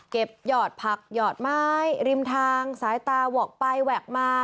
หยอดผักหยอดไม้ริมทางสายตาหวอกไปแหวกมา